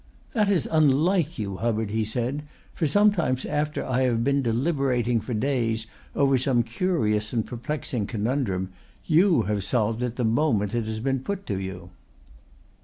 "That is unlike you, Hubbard," he said, "for sometimes after I have been deliberating for days over some curious and perplexing conundrum, you have solved it the moment it has been put to you."